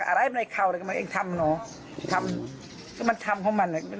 เมายาบ้าถือมีดมาครูจะฆ่าแม่บอกว่าแม่ไม่รักตัวเอง